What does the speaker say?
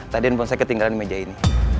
tadi handphone saya ketinggalan di meja ini